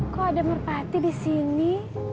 kok ada merpati disini